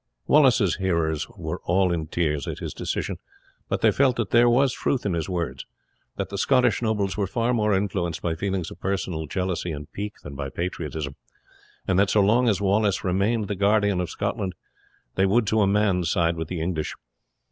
Wallace's hearers were all in tears at his decision, but they felt that there was truth in his words, that the Scottish nobles were far more influenced by feelings of personal jealousy and pique than by patriotism, and that so long as Wallace remained the guardian of Scotland they would to a man side with the English.